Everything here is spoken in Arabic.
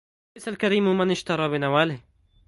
ليس الكريم من اشترى بنواله